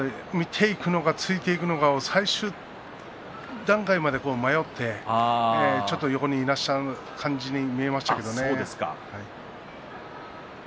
なので見ていくのか、突いていくのか最終段階まで迷ってちょっといなした感じに見えましたね。